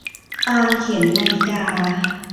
ตามเข็มนาฬิกา